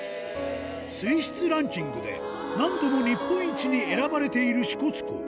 水質ランキングで何度も日本一に選ばれている支笏湖。